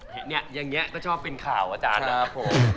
เห็นเนี่ยอย่างเงี้ยก็ชอบเป็นข่าวอาจารย์นะครับผม